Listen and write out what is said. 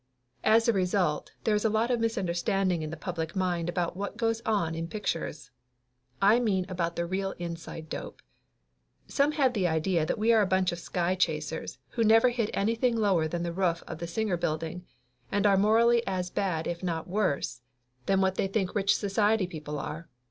As a result there is a lot of misunderstanding in the public mind about what goes on in pictures. I mean about the real inside dope. Some have the idea that we are a bunch of sky chasers who never hit anything lower than the roof of the Singer Building, and are morally as bad if not worse than what they think rich 9 10 Laughter Limited society people are.